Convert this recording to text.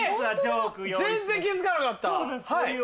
全然気付かなかった！